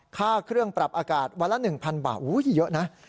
ค่าเครื่องปรับอากาศวันละ๑๐๐บาทเยอะนะ